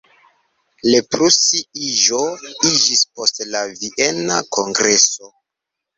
Reprusi-iĝo iĝis post la Viena kongreso.